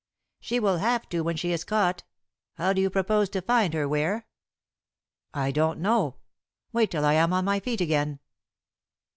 "She will have to when she is caught. How do you propose to find her, Ware?" "I don't know. Wait till I am on my feet again."